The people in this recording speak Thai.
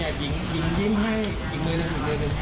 เลือกจากนี้เนี่ยยิ้มให้ยิ้มมือหนึ่ง